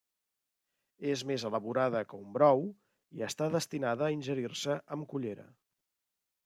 És més elaborada que un brou, i està destinada a ingerir-se amb cullera.